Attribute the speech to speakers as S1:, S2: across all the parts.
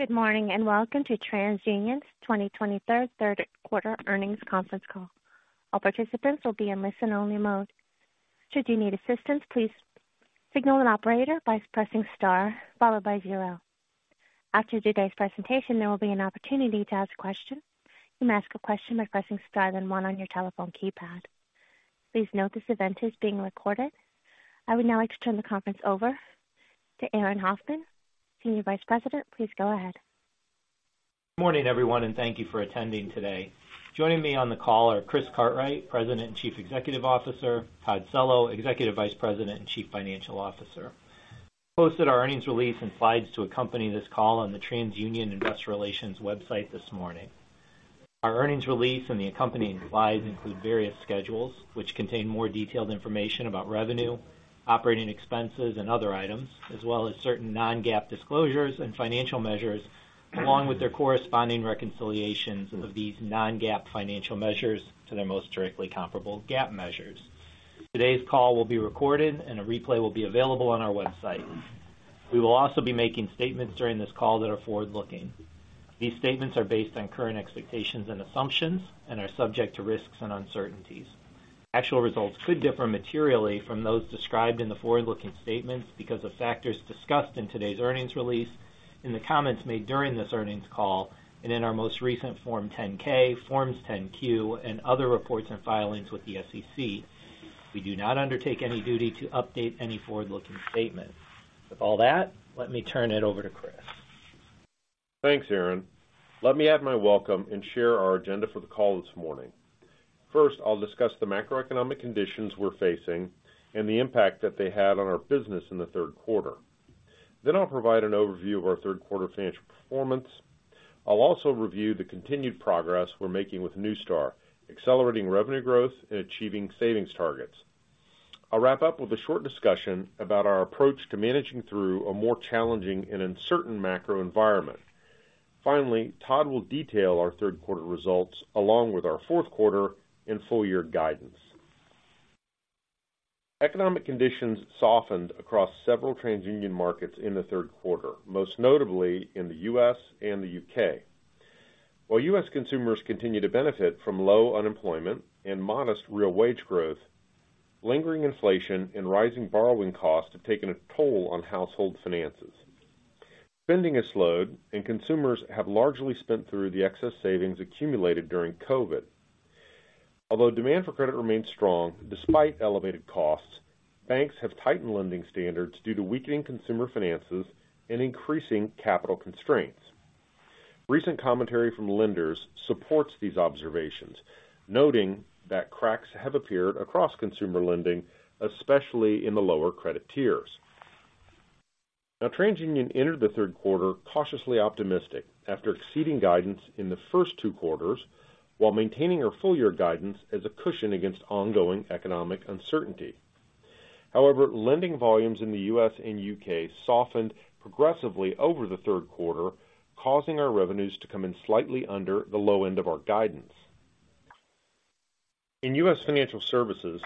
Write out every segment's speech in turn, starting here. S1: Good morning, and welcome to TransUnion's 2023 third quarter earnings conference call. All participants will be in listen-only mode. Should you need assistance, please signal an operator by pressing star followed by zero. After today's presentation, there will be an opportunity to ask questions. You may ask a question by pressing star then one on your telephone keypad. Please note this event is being recorded. I would now like to turn the conference over to Aaron Hoffman, Senior Vice President. Please go ahead.
S2: Good morning, everyone, and thank you for attending today. Joining me on the call are Chris Cartwright, President and Chief Executive Officer, Todd Cello, Executive Vice President and Chief Financial Officer. We posted our earnings release and slides to accompany this call on the TransUnion Investor Relations website this morning. Our earnings release and the accompanying slides include various schedules, which contain more detailed information about revenue, operating expenses, and other items, as well as certain non-GAAP disclosures and financial measures, along with their corresponding reconciliations of these non-GAAP financial measures to their most directly comparable GAAP measures. Today's call will be recorded and a replay will be available on our website. We will also be making statements during this call that are forward-looking. These statements are based on current expectations and assumptions and are subject to risks and uncertainties. Actual results could differ materially from those described in the forward-looking statements because of factors discussed in today's earnings release, in the comments made during this earnings call, and in our most recent Form 10-K, Forms 10-Q, and other reports and filings with the SEC. We do not undertake any duty to update any forward-looking statement. With all that, let me turn it over to Chris.
S3: Thanks, Aaron. Let me add my welcome and share our agenda for the call this morning. First, I'll discuss the macroeconomic conditions we're facing and the impact that they had on our business in the third quarter. Then I'll provide an overview of our third quarter financial performance. I'll also review the continued progress we're making with Neustar, accelerating revenue growth and achieving savings targets. I'll wrap up with a short discussion about our approach to managing through a more challenging and uncertain macro environment. Finally, Todd will detail our third quarter results, along with our fourth quarter and full year guidance. Economic conditions softened across several TransUnion markets in the third quarter, most notably in the U.S. and the U.K. While U.S. consumers continue to benefit from low unemployment and modest real wage growth, lingering inflation and rising borrowing costs have taken a toll on household finances. Spending has slowed and consumers have largely spent through the excess savings accumulated during COVID. Although demand for credit remains strong despite elevated costs, banks have tightened lending standards due to weakening consumer finances and increasing capital constraints. Recent commentary from lenders supports these observations, noting that cracks have appeared across consumer lending, especially in the lower credit tiers. Now, TransUnion entered the third quarter cautiously optimistic after exceeding guidance in the first two quarters, while maintaining our full-year guidance as a cushion against ongoing economic uncertainty. However, lending volumes in the U.S. and U.K. softened progressively over the third quarter, causing our revenues to come in slightly under the low end of our guidance. In U.S. Financial Services,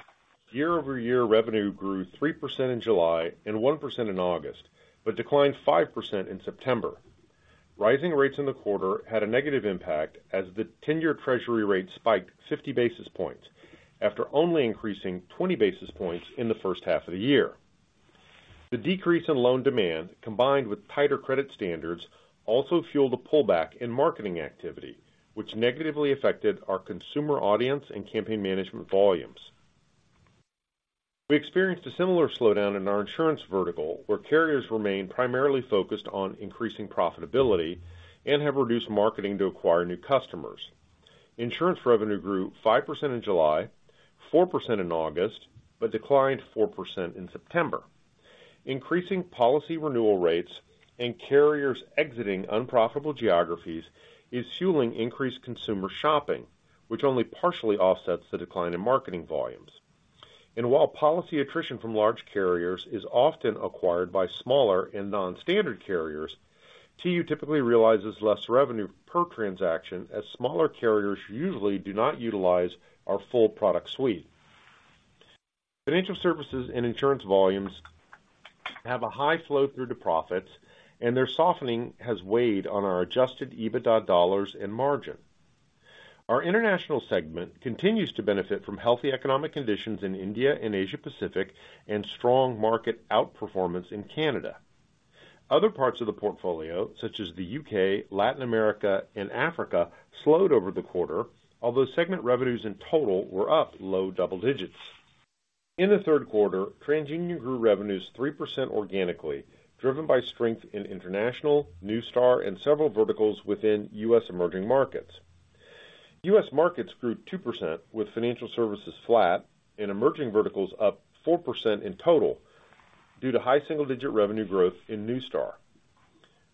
S3: year-over-year revenue grew 3% in July and 1% in August, but declined 5% in September. Rising rates in the quarter had a negative impact as the ten-year Treasury rate spiked 50 basis points, after only increasing 20 basis points in the first half of the year. The decrease in loan demand, combined with tighter credit standards, also fueled a pullback in marketing activity, which negatively affected our consumer audience and campaign management volumes. We experienced a similar slowdown in our insurance vertical, where carriers remain primarily focused on increasing profitability and have reduced marketing to acquire new customers. Insurance revenue grew 5% in July, 4% in August, but declined 4% in September. Increasing policy renewal rates and carriers exiting unprofitable geographies is fueling increased consumer shopping, which only partially offsets the decline in marketing volumes. While policy attrition from large carriers is often acquired by smaller and non-standard carriers, TU typically realizes less revenue per transaction, as smaller carriers usually do not utilize our full product suite. Financial services and insurance volumes have a high flow through to profits, and their softening has weighed on our Adjusted EBITDA dollars and margin. Our international segment continues to benefit from healthy economic conditions in India and Asia-Pacific and strong market outperformance in Canada. Other parts of the portfolio, such as the U.K., Latin America, and Africa, slowed over the quarter, although segment revenues in total were up low double digits. In the third quarter, TransUnion grew revenues 3% organically, driven by strength in international, Neustar, and several verticals within U.S. emerging markets. U.S. markets grew 2%, with financial services flat and emerging verticals up 4% in total due to high single-digit revenue growth in Neustar.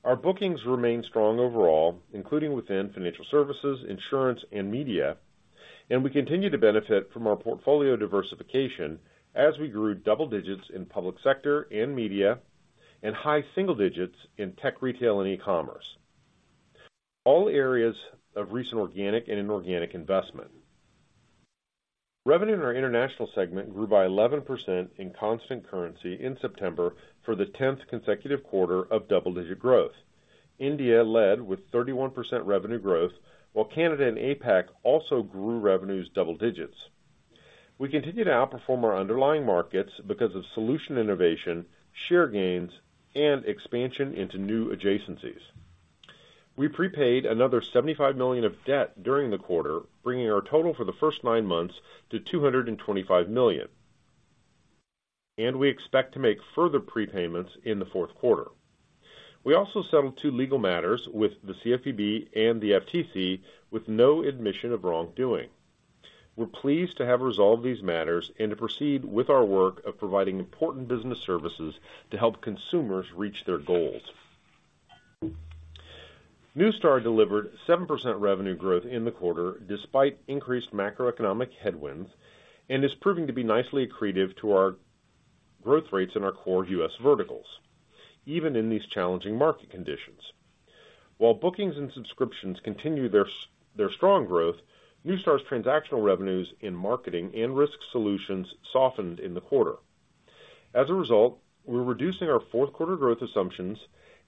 S3: Our bookings remain strong overall, including within financial services, insurance, and media, and we continue to benefit from our portfolio diversification as we grew double digits in public sector and media and high single digits in tech, retail, and e-commerce, all areas of recent organic and inorganic investment. Revenue in our international segment grew by 11% in constant currency in September for the 10th consecutive quarter of double-digit growth. India led with 31% revenue growth, while Canada and APAC also grew revenues double digits. We continue to outperform our underlying markets because of solution innovation, share gains, and expansion into new adjacencies. We prepaid another $75 million of debt during the quarter, bringing our total for the first nine months to $225 million. We expect to make further prepayments in the fourth quarter. We also settled two legal matters with the CFPB and the FTC with no admission of wrongdoing. We're pleased to have resolved these matters and to proceed with our work of providing important business services to help consumers reach their goals. Neustar delivered 7% revenue growth in the quarter, despite increased macroeconomic headwinds, and is proving to be nicely accretive to our growth rates in our core U.S. verticals, even in these challenging market conditions. While bookings and subscriptions continue their strong growth, Neustar's transactional revenues in marketing and risk solutions softened in the quarter. As a result, we're reducing our fourth quarter growth assumptions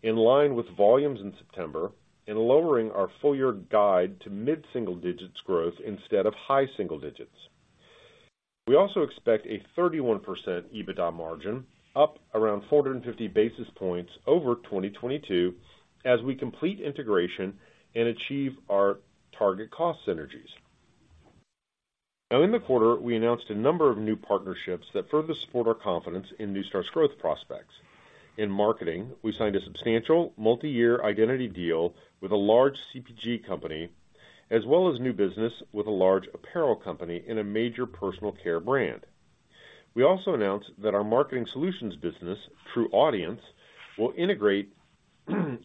S3: in line with volumes in September and lowering our full year guide to mid-single digits growth instead of high single digits. We also expect a 31% EBITDA margin, up around 450 basis points over 2022, as we complete integration and achieve our target cost synergies. Now, in the quarter, we announced a number of new partnerships that further support our confidence in Neustar's growth prospects. In marketing, we signed a substantial multi-year identity deal with a large CPG company, as well as new business with a large apparel company and a major personal care brand. We also announced that our marketing solutions business, TruAudience, will integrate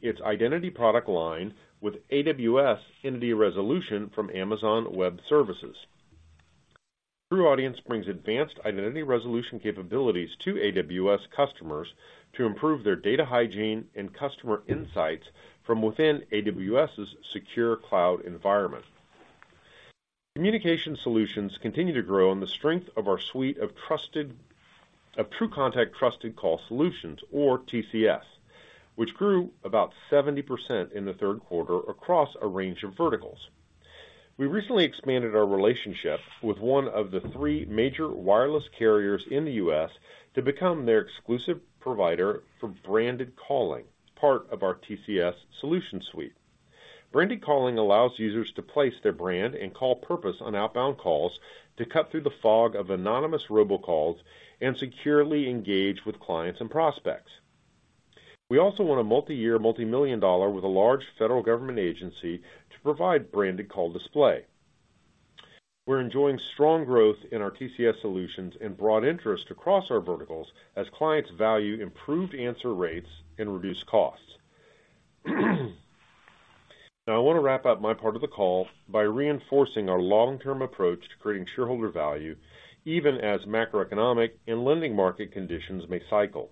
S3: its identity product line with AWS Entity Resolution from Amazon Web Services. TruAudience brings advanced identity resolution capabilities to AWS customers to improve their data hygiene and customer insights from within AWS's secure cloud environment. Communication Solutions continue to grow on the strength of our suite of trusted TruContact Trusted Call Solutions, or TCS, which grew about 70% in the third quarter across a range of verticals. We recently expanded our relationship with one of the three major wireless carriers in the U.S. to become their exclusive provider for branded calling, part of our TCS solution suite. Branded calling allows users to place their brand and call purpose on outbound calls to cut through the fog of anonymous robocalls and securely engage with clients and prospects. We also won a multi-year, multi-million dollar with a large federal government agency to provide branded call display. We're enjoying strong growth in our TCS solutions and broad interest across our verticals as clients value improved answer rates and reduced costs. Now, I want to wrap up my part of the call by reinforcing our long-term approach to creating shareholder value, even as macroeconomic and lending market conditions may cycle.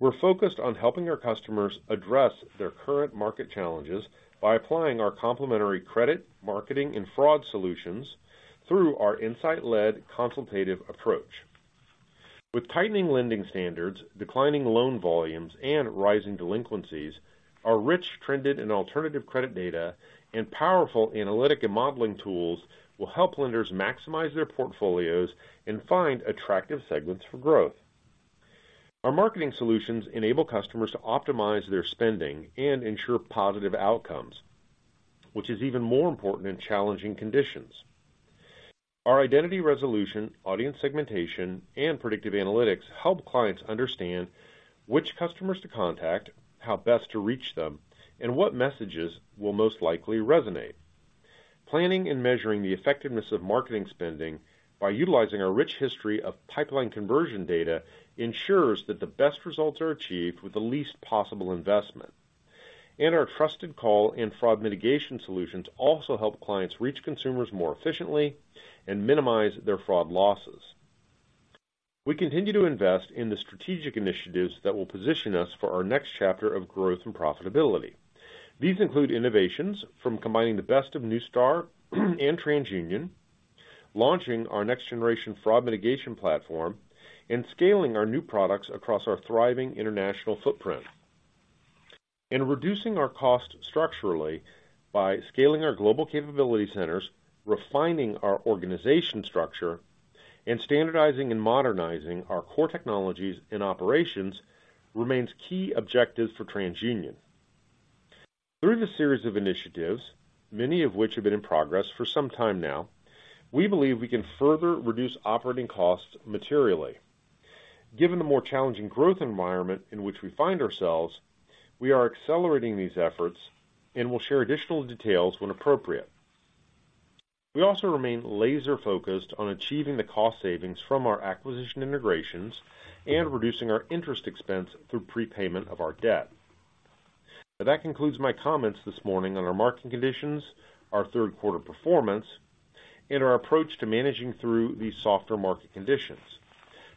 S3: We're focused on helping our customers address their current market challenges by applying our complimentary credit, marketing, and fraud solutions through our insight-led, consultative approach. With tightening lending standards, declining loan volumes, and rising delinquencies, our rich, trended and alternative credit data and powerful analytic and modeling tools will help lenders maximize their portfolios and find attractive segments for growth. Our marketing solutions enable customers to optimize their spending and ensure positive outcomes, which is even more important in challenging conditions. Our identity resolution, audience segmentation, and predictive analytics help clients understand which customers to contact, how best to reach them, and what messages will most likely resonate. Planning and measuring the effectiveness of marketing spending by utilizing our rich history of pipeline conversion data ensures that the best results are achieved with the least possible investment. Our trusted call and fraud mitigation solutions also help clients reach consumers more efficiently and minimize their fraud losses. We continue to invest in the strategic initiatives that will position us for our next chapter of growth and profitability. These include innovations from combining the best of Neustar and TransUnion, launching our next-generation fraud mitigation platform, and scaling our new products across our thriving international footprint. Reducing our costs structurally by scaling our global capability centers, refining our organization structure, and standardizing and modernizing our core technologies and operations remains key objectives for TransUnion. Through the series of initiatives, many of which have been in progress for some time now, we believe we can further reduce operating costs materially. Given the more challenging growth environment in which we find ourselves, we are accelerating these efforts and will share additional details when appropriate. We also remain laser-focused on achieving the cost savings from our acquisition integrations and reducing our interest expense through prepayment of our debt. Now, that concludes my comments this morning on our market conditions, our third quarter performance, and our approach to managing through these softer market conditions.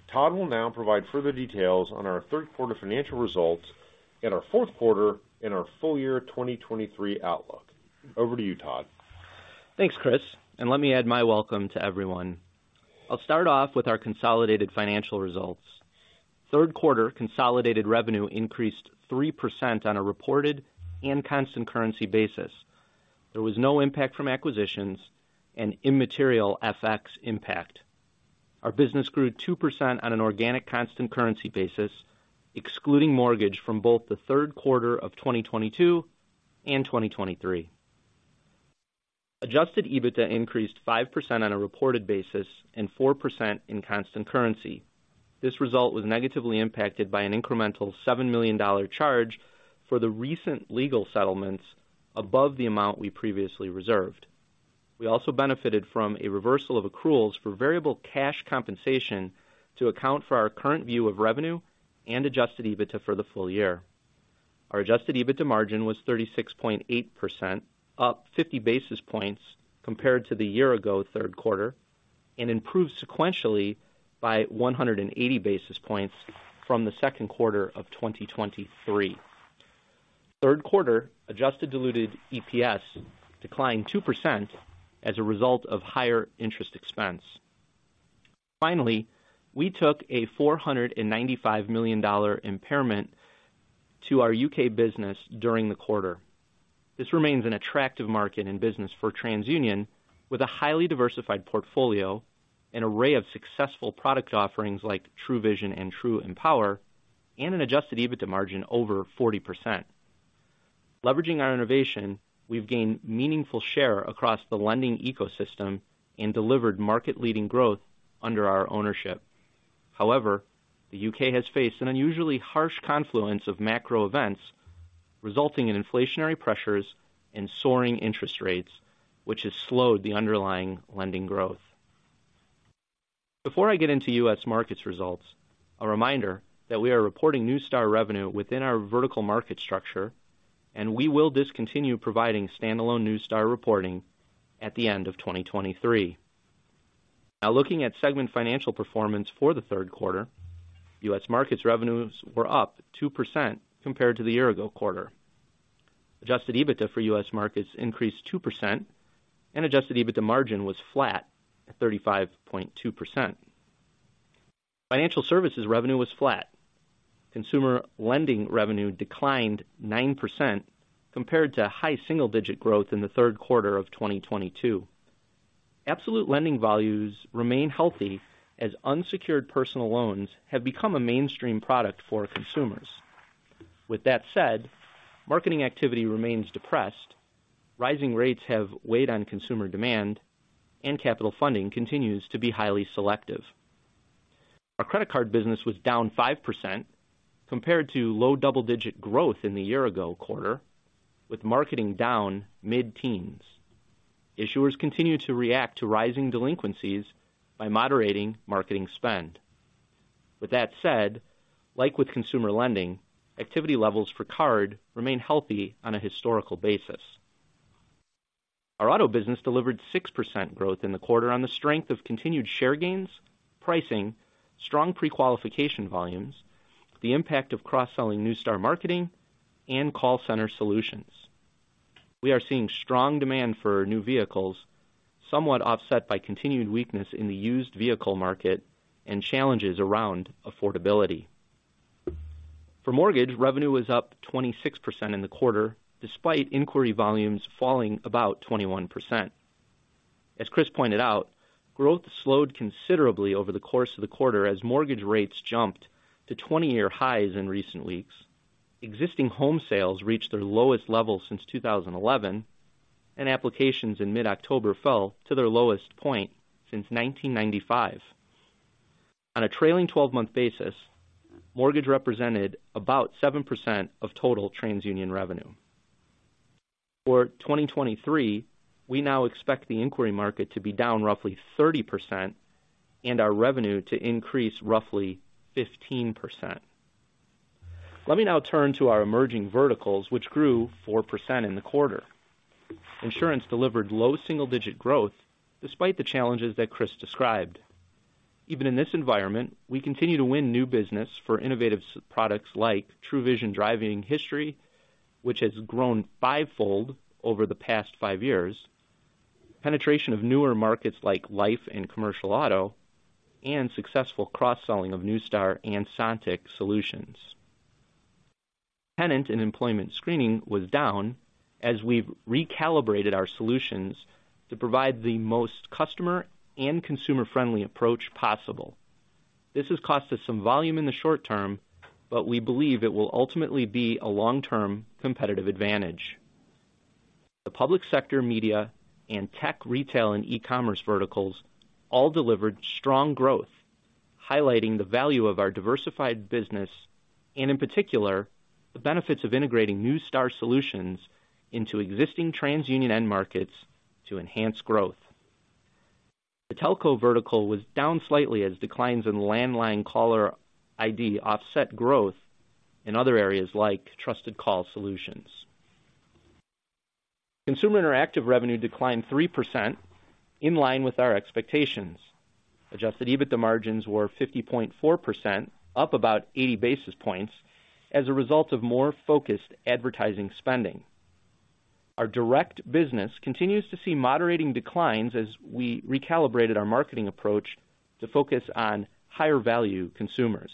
S3: Todd will now provide further details on our third quarter financial results and our fourth quarter and our full year 2023 outlook. Over to you, Todd.
S4: Thanks, Chris, and let me add my welcome to everyone. I'll start off with our consolidated financial results. Third quarter consolidated revenue increased 3% on a reported and constant currency basis. There was no impact from acquisitions and immaterial FX impact. Our business grew 2% on an organic constant currency basis, excluding mortgage from both the third quarter of 2022 and 2023. Adjusted EBITDA increased 5% on a reported basis and 4% in constant currency. This result was negatively impacted by an incremental $7 million charge for the recent legal settlements above the amount we previously reserved. We also benefited from a reversal of accruals for variable cash compensation to account for our current view of revenue and adjusted EBITDA for the full year. Our adjusted EBITDA margin was 36.8%, up 50 basis points compared to the year-ago third quarter, and improved sequentially by 180 basis points from the second quarter of 2023. Third quarter adjusted diluted EPS declined 2% as a result of higher interest expense. Finally, we took a $495 million impairment to our U.K. business during the quarter. This remains an attractive market in business for TransUnion, with a highly diversified portfolio, an array of successful product offerings like TrueVision and TrueEmpower, and an adjusted EBITDA margin over 40%. Leveraging our innovation, we've gained meaningful share across the lending ecosystem and delivered market-leading growth under our ownership. However, the U.K. has faced an unusually harsh confluence of macro events, resulting in inflationary pressures and soaring interest rates, which has slowed the underlying lending growth. Before I get into U.S. markets results, a reminder that we are reporting Neustar revenue within our vertical market structure, and we will discontinue providing standalone Neustar reporting at the end of 2023. Now, looking at segment financial performance for the third quarter, U.S. markets revenues were up 2% compared to the year ago quarter. Adjusted EBITDA for U.S. markets increased 2% and adjusted EBITDA margin was flat at 35.2%. Financial services revenue was flat. Consumer lending revenue declined 9% compared to high single-digit growth in the third quarter of 2022. Absolute lending volumes remain healthy as unsecured personal loans have become a mainstream product for consumers. With that said, marketing activity remains depressed, rising rates have weighed on consumer demand, and capital funding continues to be highly selective. Our credit card business was down 5% compared to low double-digit growth in the year ago quarter, with marketing down mid-teens. Issuers continue to react to rising delinquencies by moderating marketing spend. With that said, like with consumer lending, activity levels for card remain healthy on a historical basis. Our auto business delivered 6% growth in the quarter on the strength of continued share gains, pricing, strong pre-qualification volumes, the impact of cross-selling Neustar marketing and call center solutions. We are seeing strong demand for new vehicles, somewhat offset by continued weakness in the used vehicle market and challenges around affordability. For mortgage, revenue was up 26% in the quarter, despite inquiry volumes falling about 21%. As Chris pointed out, growth slowed considerably over the course of the quarter as mortgage rates jumped to 20-year highs in recent weeks. Existing home sales reached their lowest level since 2011, and applications in mid-October fell to their lowest point since 1995. On a trailing-twelve-month basis, mortgage represented about 7% of total TransUnion revenue. For 2023, we now expect the inquiry market to be down roughly 30% and our revenue to increase roughly 15%. Let me now turn to our emerging verticals, which grew 4% in the quarter. Insurance delivered low single-digit growth despite the challenges that Chris described. Even in this environment, we continue to win new business for innovative products like TruVision Driving History, which has grown fivefold over the past five years, penetration of newer markets like Life and Commercial Auto, and successful cross-selling of Neustar and Sontiq solutions. Tenant and employment screening was down as we've recalibrated our solutions to provide the most customer and consumer-friendly approach possible. This has cost us some volume in the short term, but we believe it will ultimately be a long-term competitive advantage. The public sector, media and tech, retail and e-commerce verticals all delivered strong growth, highlighting the value of our diversified business and in particular, the benefits of integrating Neustar solutions into existing TransUnion end markets to enhance growth. The telco vertical was down slightly as declines in landline caller ID offset growth in other areas like Trusted Call Solutions. Consumer interactive revenue declined 3%, in line with our expectations. Adjusted EBITDA margins were 50.4%, up about 80 basis points as a result of more focused advertising spending. Our direct business continues to see moderating declines as we recalibrated our marketing approach to focus on higher value consumers.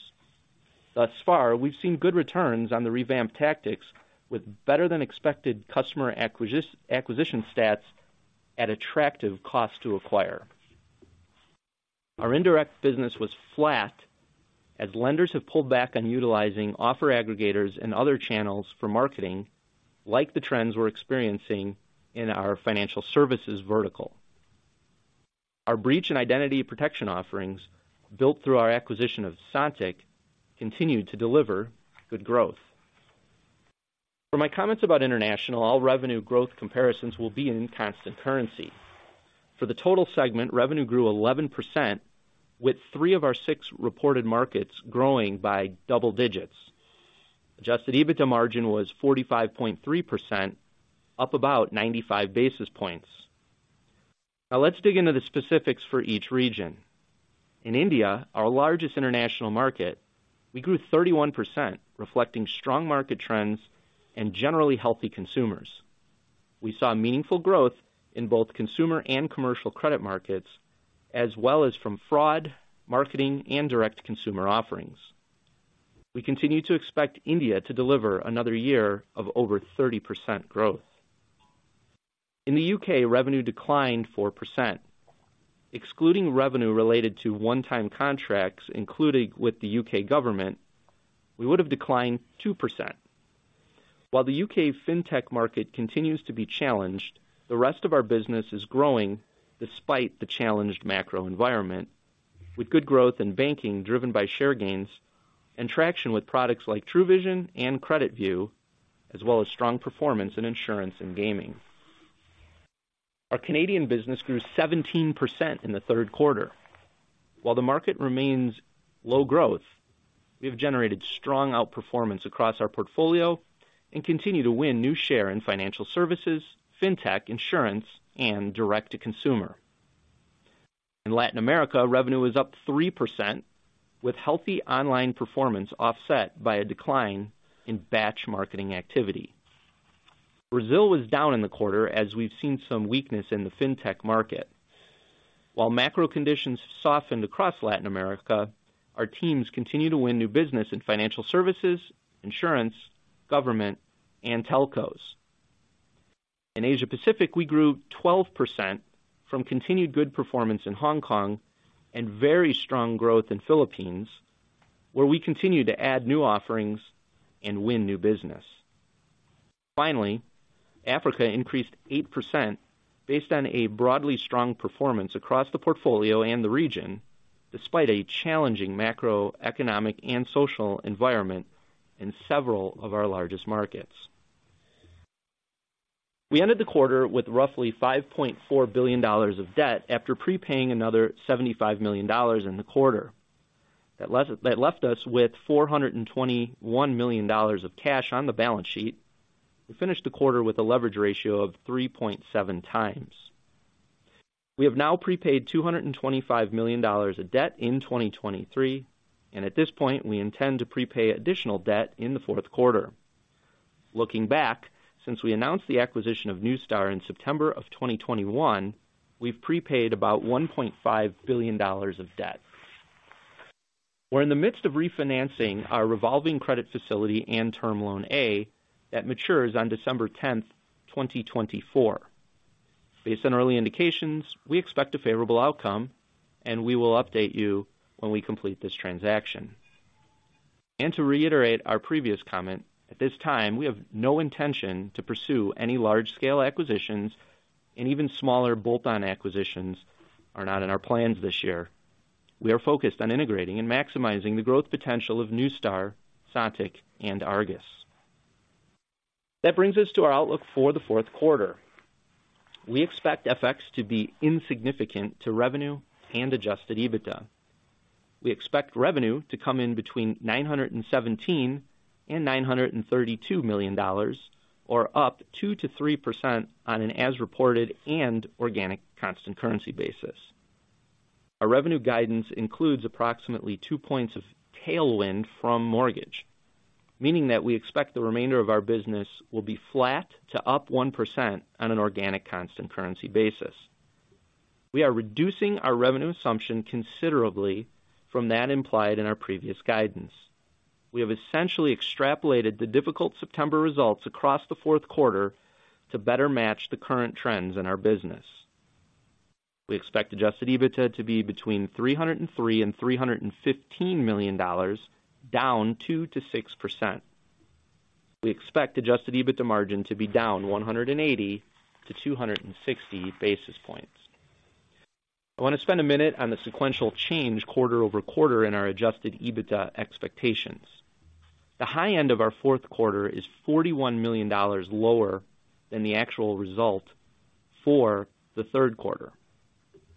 S4: Thus far, we've seen good returns on the revamped tactics, with better than expected customer acquisition, acquisition stats at attractive cost to acquire. Our indirect business was flat, as lenders have pulled back on utilizing offer aggregators and other channels for marketing, like the trends we're experiencing in our financial services vertical. Our breach and identity protection offerings, built through our acquisition of Sontiq, continued to deliver good growth. For my comments about international, all revenue growth comparisons will be in constant currency. For the total segment, revenue grew 11%, with three of our six reported markets growing by double digits. Adjusted EBITDA margin was 45.3%, up about 95 basis points. Now let's dig into the specifics for each region. In India, our largest international market, we grew 31%, reflecting strong market trends and generally healthy consumers. We saw meaningful growth in both consumer and commercial credit markets, as well as from fraud, marketing, and direct consumer offerings. We continue to expect India to deliver another year of over 30% growth. In the U.K., revenue declined 4%. Excluding revenue related to one-time contracts, including with the U.K. government, we would have declined 2%. While the U.K. fintech market continues to be challenged, the rest of our business is growing despite the challenged macro environment, with good growth in banking, driven by share gains and traction with products like TrueVision and CreditView, as well as strong performance in insurance and gaming. Our Canadian business grew 17% in the third quarter. While the market remains low growth, we have generated strong outperformance across our portfolio and continue to win new share in financial services, fintech, insurance, and direct-to-consumer. In Latin America, revenue is up 3%, with healthy online performance offset by a decline in batch marketing activity. Brazil was down in the quarter as we've seen some weakness in the fintech market. While macro conditions have softened across Latin America, our teams continue to win new business in financial services, insurance, government, and telcos. In Asia Pacific, we grew 12% from continued good performance in Hong Kong and very strong growth in Philippines, where we continue to add new offerings and win new business. Finally, Africa increased 8% based on a broadly strong performance across the portfolio and the region, despite a challenging macroeconomic and social environment in several of our largest markets. We ended the quarter with roughly $5.4 billion of debt after prepaying another $75 million in the quarter. That left us with $421 million of cash on the balance sheet. We finished the quarter with a leverage ratio of 3.7 times. We have now prepaid $225 million of debt in 2023, and at this point, we intend to prepay additional debt in the fourth quarter. Looking back, since we announced the acquisition of Neustar in September of 2021, we've prepaid about $1.5 billion of debt. We're in the midst of refinancing our revolving credit facility and term loan A that matures on December 10th, 2024. Based on early indications, we expect a favorable outcome, and we will update you when we complete this transaction. To reiterate our previous comment, at this time, we have no intention to pursue any large-scale acquisitions and even smaller bolt-on acquisitions are not in our plans this year. We are focused on integrating and maximizing the growth potential of Neustar, Sontiq, and Argus. That brings us to our outlook for the fourth quarter. We expect FX to be insignificant to revenue and Adjusted EBITDA. We expect revenue to come in between $917 million and $932 million, or up 2%-3% on an as reported and organic constant currency basis. Our revenue guidance includes approximately two points of tailwind from mortgage, meaning that we expect the remainder of our business will be flat to up 1% on an organic constant currency basis. We are reducing our revenue assumption considerably from that implied in our previous guidance. We have essentially extrapolated the difficult September results across the fourth quarter to better match the current trends in our business. We expect adjusted EBITDA to be between $303 million and $315 million, down 2%-6%. We expect adjusted EBITDA margin to be down 100-260 basis points. I want to spend a minute on the sequential change quarter-over-quarter in our adjusted EBITDA expectations. The high end of our fourth quarter is $41 million lower than the actual result for the third quarter.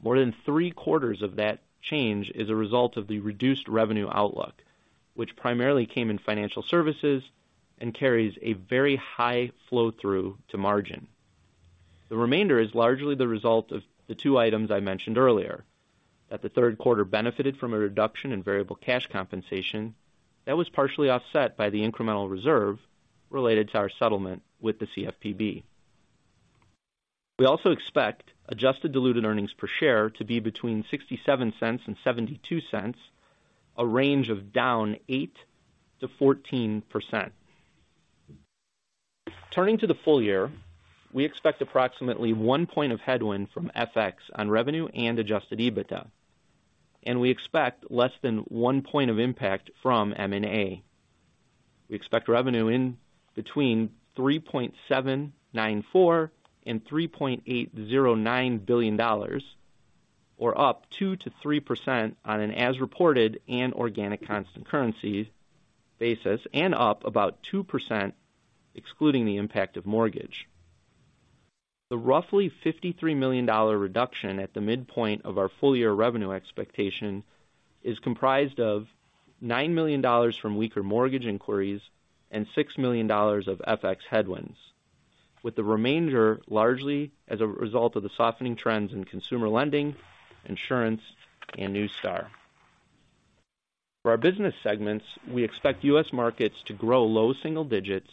S4: More than three quarters of that change is a result of the reduced revenue outlook, which primarily came in financial services and carries a very high flow through to margin. The remainder is largely the result of the two items I mentioned earlier, that the third quarter benefited from a reduction in variable cash compensation that was partially offset by the incremental reserve related to our settlement with the CFPB. We also expect adjusted diluted earnings per share to be between $0.67 and $0.72, a range of down 8%-14%. Turning to the full year, we expect approximately one point of headwind from FX on revenue and Adjusted EBITDA, and we expect less than one point of impact from M&A. We expect revenue in between $3.794 billion and $3.809 billion, or up 2%-3% on an as reported and organic constant currency basis, and up about 2% excluding the impact of mortgage. The roughly $53 million reduction at the midpoint of our full-year revenue expectation is comprised of $9 million from weaker mortgage inquiries and $6 million of FX headwinds, with the remainder largely as a result of the softening trends in consumer lending, insurance, and Neustar. For our business segments, we expect U.S. markets to grow low single digits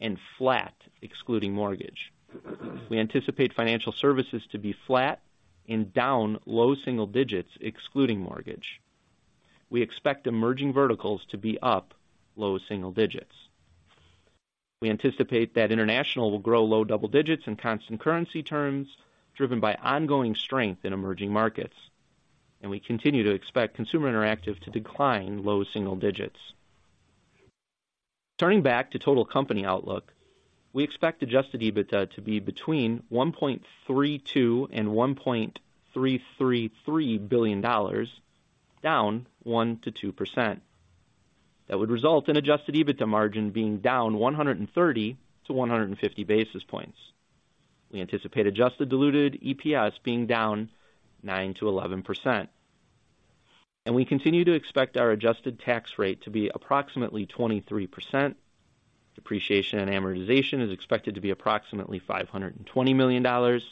S4: and flat, excluding mortgage. We anticipate financial services to be flat and down low single digits excluding mortgage. We expect emerging verticals to be up low single digits. We anticipate that international will grow low double digits in constant currency terms, driven by ongoing strength in emerging markets, and we continue to expect consumer interactive to decline low single digits. Turning back to total company outlook, we expect Adjusted EBITDA to be between $1.32 billion and $1.333 billion, down 1%-2%. That would result in adjusted EBITDA margin being down 130-150 basis points. We anticipate Adjusted Diluted EPS being down 9%-11%, and we continue to expect our adjusted tax rate to be approximately 23%. Depreciation and amortization is expected to be approximately $520 million, and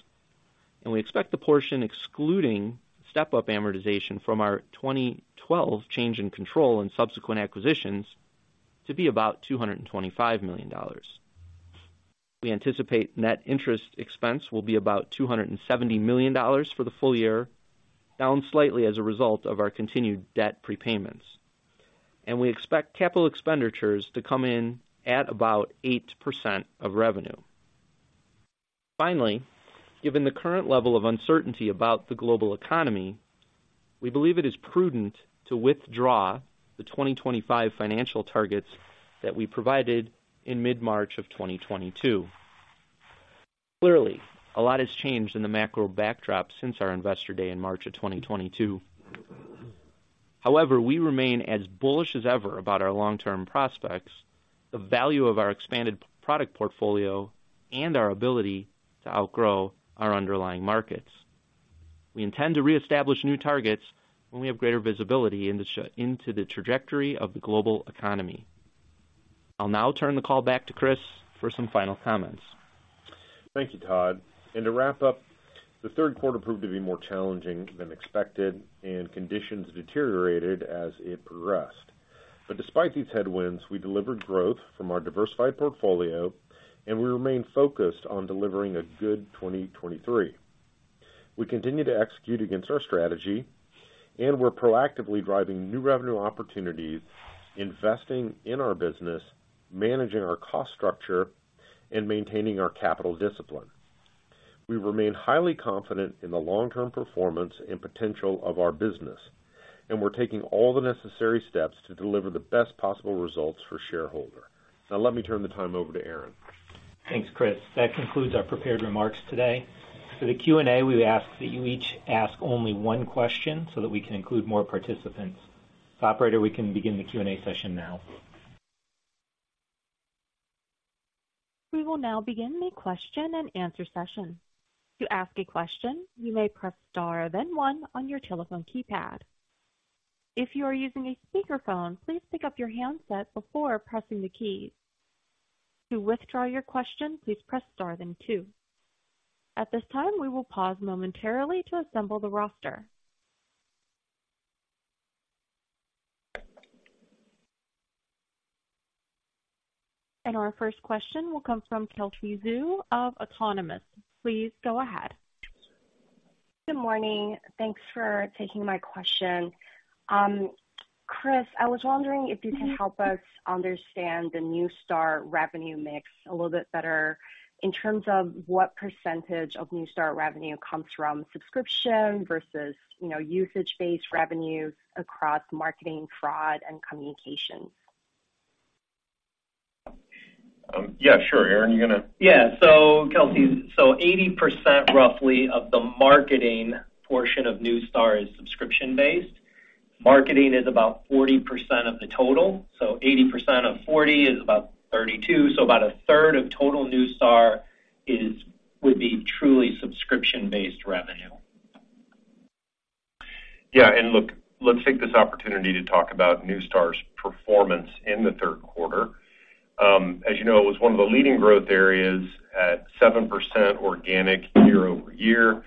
S4: we expect the portion excluding Step-up Amortization from our 2012 change in control and subsequent acquisitions to be about $225 million. We anticipate net interest expense will be about $270 million for the full year, down slightly as a result of our continued debt prepayments. We expect capital expenditures to come in at about 8% of revenue. Finally, given the current level of uncertainty about the global economy, we believe it is prudent to withdraw the 2025 financial targets that we provided in mid-March of 2022. Clearly, a lot has changed in the macro backdrop since our Investor Day in March of 2022. However, we remain as bullish as ever about our long-term prospects, the value of our expanded product portfolio, and our ability to outgrow our underlying markets. We intend to reestablish new targets when we have greater visibility into into the trajectory of the global economy. I'll now turn the call back to Chris for some final comments.
S3: Thank you, Todd. To wrap up, the third quarter proved to be more challenging than expected and conditions deteriorated as it progressed. Despite these headwinds, we delivered growth from our diversified portfolio, and we remain focused on delivering a good 2023. We continue to execute against our strategy, and we're proactively driving new revenue opportunities, investing in our business, managing our cost structure, and maintaining our capital discipline. We remain highly confident in the long-term performance and potential of our business, and we're taking all the necessary steps to deliver the best possible results for shareholder. Now, let me turn the time over to Aaron.
S2: Thanks, Chris. That concludes our prepared remarks today. For the Q&A, we ask that you each ask only one question so that we can include more participants. Operator, we can begin the Q&A session now.
S1: We will now begin the question-and-answer session. To ask a question, you may press star, then one on your telephone keypad. If you are using a speakerphone, please pick up your handset before pressing the keys. To withdraw your question, please press star, then two. At this time, we will pause momentarily to assemble the roster. Our first question will come from Kelsey Zhu of Autonomous. Please go ahead.
S5: Good morning. Thanks for taking my question. Chris, I was wondering if you can help us understand the Neustar revenue mix a little bit better in terms of what percentage of Neustar revenue comes from subscription versus, you know, usage-based revenues across marketing, fraud, and communications.
S3: Yeah, sure. Aaron, you gonna-
S2: Yeah. So Kelsey, so 80% roughly of the marketing portion of Neustar is subscription-based marketing is about 40% of the total, so 80% of 40 is about 32. So about a third of total Neustar is, would be truly subscription-based revenue.
S3: Yeah, and look, let's take this opportunity to talk about Neustar's performance in the third quarter. As you know, it was one of the leading growth areas at 7% organic year-over-year,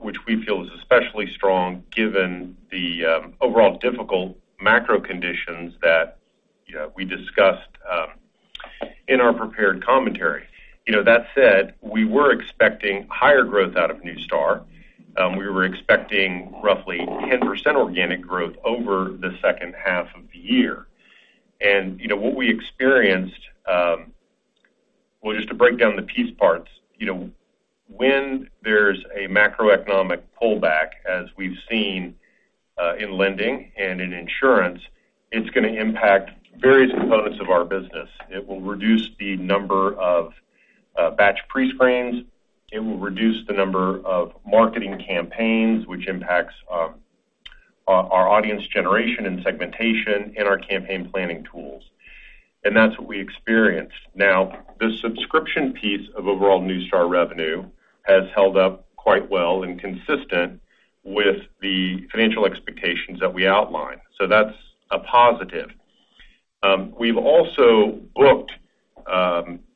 S3: which we feel is especially strong given the overall difficult macro conditions that we discussed in our prepared commentary. You know, that said, we were expecting higher growth out of Neustar. We were expecting roughly 10% organic growth over the second half of the year. And, you know, what we experienced, well, just to break down the piece parts, you know, when there's a macroeconomic pullback, as we've seen in lending and in insurance, it's gonna impact various components of our business. It will reduce the number of batch prescreens, it will reduce the number of marketing campaigns, which impacts our audience generation and segmentation and our campaign planning tools, and that's what we experienced. Now, the subscription piece of overall Neustar revenue has held up quite well and consistent with the financial expectations that we outlined, so that's a positive. We've also booked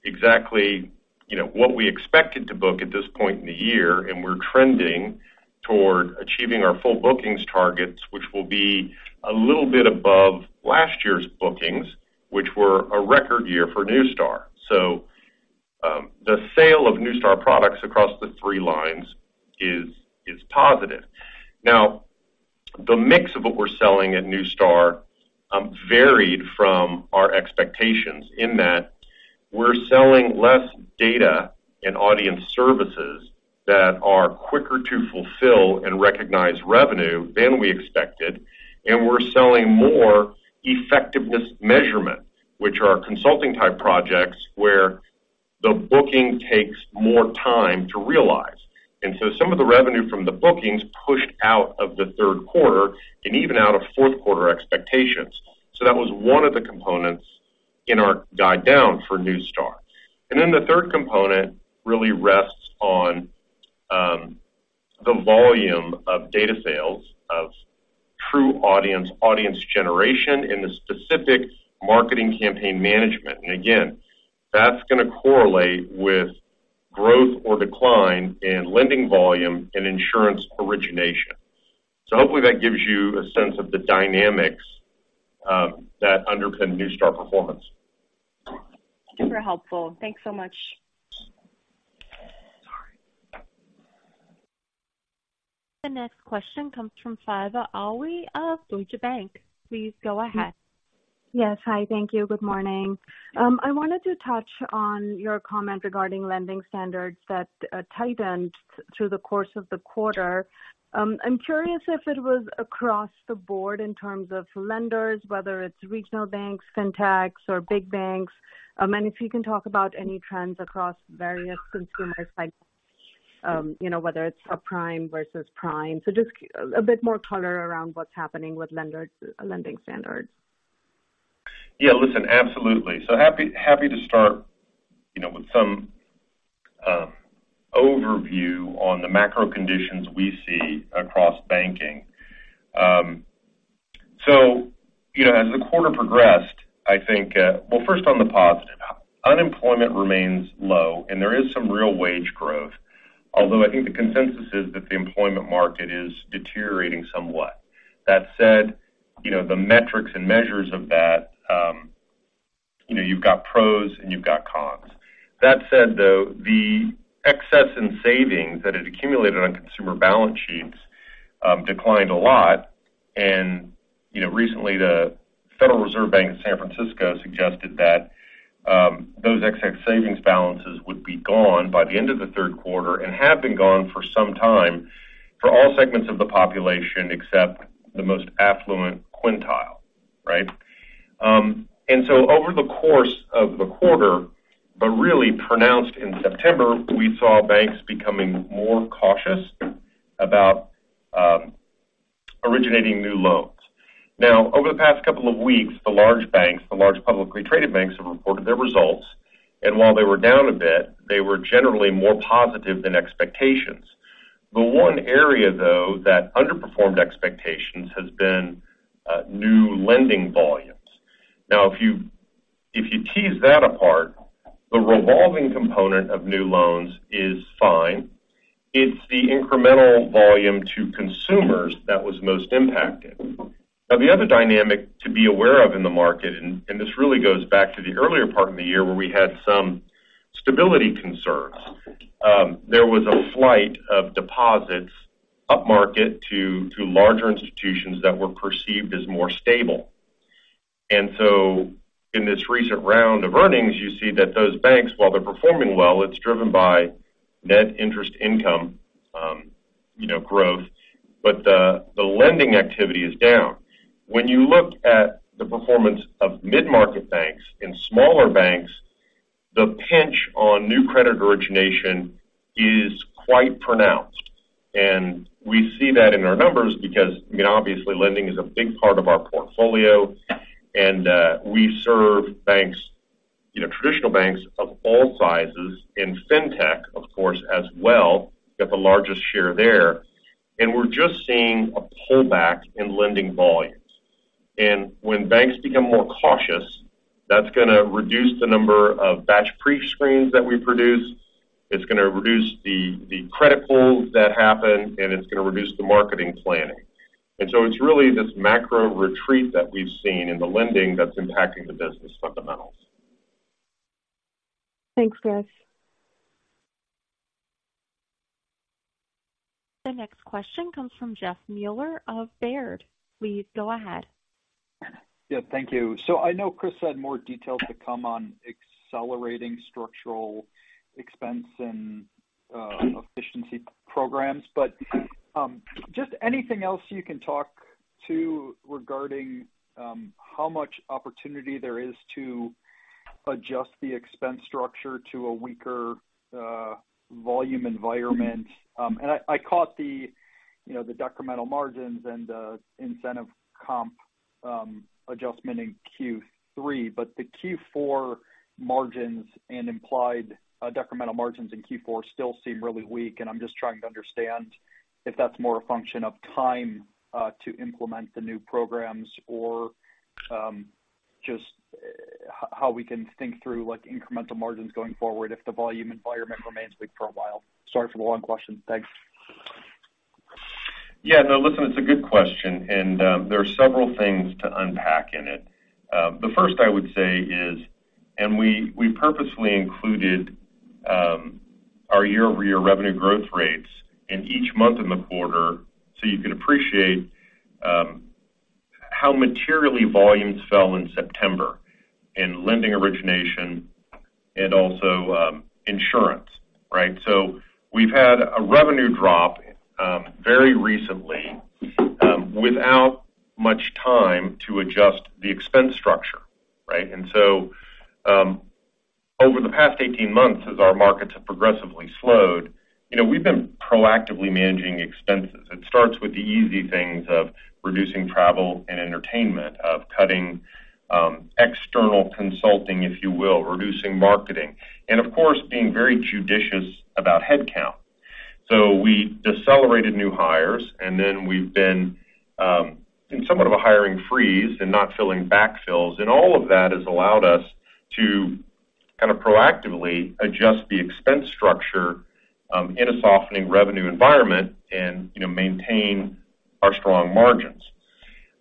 S3: exactly, you know, what we expected to book at this point in the year, and we're trending toward achieving our full bookings targets, which will be a little bit above last year's bookings, which were a record year for Neustar. The sale of Neustar products across the three lines is positive. Now, the mix of what we're selling at Neustar varied from our expectations in that we're selling less data and audience services that are quicker to fulfill and recognize revenue than we expected, and we're selling more effectiveness measurement, which are consulting-type projects, where the booking takes more time to realize. And so some of the revenue from the bookings pushed out of the third quarter and even out of fourth quarter expectations. So that was one of the components in our guide down for Neustar. And then the third component really rests on the volume of data sales, of TruAudience, audience generation in the specific marketing campaign management. And again, that's gonna correlate with growth or decline in lending volume and insurance origination. So hopefully that gives you a sense of the dynamics that underpin Neustar performance.
S5: Super helpful. Thanks so much.
S1: The next question comes from Faiza Alwy of Deutsche Bank. Please go ahead.
S6: Yes. Hi, thank you. Good morning. I wanted to touch on your comment regarding lending standards that tightened through the course of the quarter. I'm curious if it was across the board in terms of lenders, whether it's regional banks, fintechs or big banks. And if you can talk about any trends across various consumer cycles, you know, whether it's a prime versus prime. So just a bit more color around what's happening with lenders, lending standards.
S3: Yeah, listen, absolutely. So happy, happy to start, you know, with some overview on the macro conditions we see across banking. So, you know, as the quarter progressed, I think, Well, first on the positive, unemployment remains low and there is some real wage growth, although I think the consensus is that the employment market is deteriorating somewhat. That said, you know, the metrics and measures of that, you know, you've got pros and you've got cons. That said, though, the excess in savings that had accumulated on consumer balance sheets, declined a lot. And, you know, recently, the Federal Reserve Bank of San Francisco suggested that, those excess savings balances would be gone by the end of the third quarter and have been gone for some time for all segments of the population, except the most affluent quintile, right? And so over the course of the quarter, but really pronounced in September, we saw banks becoming more cautious about originating new loans. Now, over the past couple of weeks, the large banks, the large publicly traded banks, have reported their results, and while they were down a bit, they were generally more positive than expectations. The one area, though, that underperformed expectations has been new lending volumes. Now, if you tease that apart, the revolving component of new loans is fine. It's the incremental volume to consumers that was most impacted. Now, the other dynamic to be aware of in the market, and this really goes back to the earlier part of the year, where we had some stability concerns. There was a flight of deposits upmarket to larger institutions that were perceived as more stable. In this recent round of earnings, you see that those banks, while they're performing well, it's driven by net interest income, you know, growth, but the lending activity is down. When you look at the performance of mid-market banks and smaller banks, the pinch on new credit origination is quite pronounced. We see that in our numbers because, I mean, obviously, lending is a big part of our portfolio, and we serve banks, you know, traditional banks of all sizes in Fintech, of course, as well, got the largest share there. We're just seeing a pullback in lending volumes. When banks become more cautious, that's gonna reduce the number of batch prescreens that we produce, it's gonna reduce the credit pulls that happen, and it's gonna reduce the marketing planning. It's really this macro retreat that we've seen in the lending that's impacting the business fundamentals.
S6: Thanks, Chris.
S1: The next question comes from Jeff Mueller of Baird. Please go ahead.
S7: Yeah, thank you. So I know Chris had more details to come on accelerating structural expense and efficiency programs, but just anything else you can talk to regarding how much opportunity there is to adjust the expense structure to a weaker volume environment? And I caught the, you know, the decremental margins and the incentive comp adjustment in Q3, but the Q4 margins and implied decremental margins in Q4 still seem really weak, and I'm just trying to understand if that's more a function of time to implement the new programs or just how we can think through, like, incremental margins going forward if the volume environment remains weak for a while? Sorry for the long question. Thanks.
S3: Yeah. No, listen, it's a good question, and there are several things to unpack in it. The first I would say is, and we purposefully included our year-over-year revenue growth rates in each month in the quarter, so you can appreciate how materially volumes fell in September in lending origination and also insurance, right? So we've had a revenue drop very recently without much time to adjust the expense structure, right? And so over the past 18 months, as our markets have progressively slowed, you know, we've been proactively managing expenses. It starts with the easy things of reducing travel and entertainment, of cutting external consulting, if you will, reducing marketing, and of course, being very judicious about headcount. So we decelerated new hires, and then we've been in somewhat of a hiring freeze and not filling backfills. All of that has allowed us to kind of proactively adjust the expense structure in a softening revenue environment and, you know, maintain our strong margins.